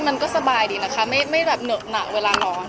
มันก็สบายดีนะคะไม่แบบเหนอะหนักเวลานอน